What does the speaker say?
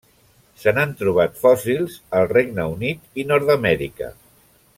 Se n'han trobat fòssils al Regne Unit i Nord-amèrica.